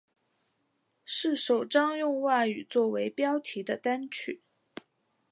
是首张用外语作为标题的单曲。